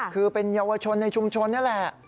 คือเป็นเยาวชนในชุมชนนี่แหละ